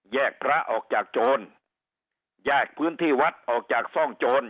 พระออกจากโจรแยกพื้นที่วัดออกจากซ่องโจร